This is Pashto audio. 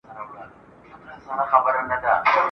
زه په اغزیو کی ورځم زه به پر سر ورځمه !.